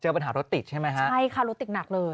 ปัญหารถติดใช่ไหมฮะใช่ค่ะรถติดหนักเลย